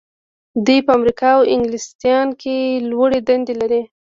دوی په امریکا او انګلستان کې لوړې دندې لري.